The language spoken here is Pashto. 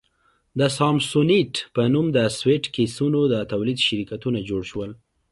د سامسونیټ په نوم د سویټ کېسونو د تولید شرکتونه جوړ شول.